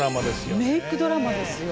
メイクドラマですよ。